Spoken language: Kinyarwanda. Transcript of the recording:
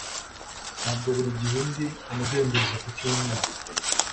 Ntabwo buri gihe ndi umudendezo ku cyumweru